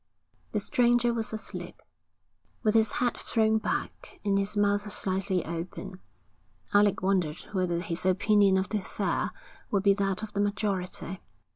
The stranger was asleep, with his head thrown back and his mouth slightly open. Alec wondered whether his opinion of the affair would be that of the majority.